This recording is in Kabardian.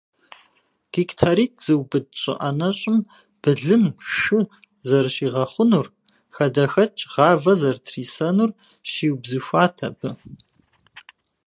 Гектаритӏ зыубыд щӏы ӏэнэщӏым былым, шы зэрыщигъэхъунур, хадэхэкӏ, гъавэ зэрытрисэнур щиубзыхуат абы.